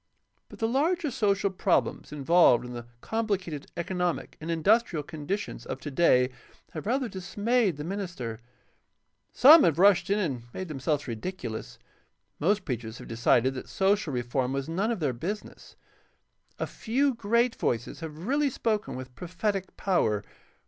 But the larger social problems involved in the complicated economic and industrial conditions of today have rather dismayed the min ister. Some have rushed in and made themselves ridiculous. Most preachers have decided that social reform was none of their business. A few great voices have really spoken with prophetic power.